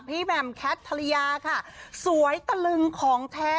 พี่แมมแคทธรรยาค่ะสวยตลึงของแท้